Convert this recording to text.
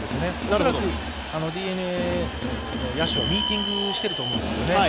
恐らくＤｅＮＡの野手はミーティングしていると思うんですよね。